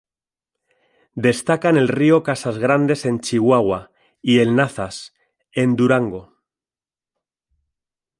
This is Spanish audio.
Destacan el río Casas Grandes en Chihuahua, y el Nazas, en Durango.